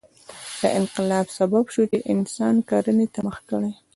دا انقلاب سبب شو چې انسان کرنې ته مخه کړي.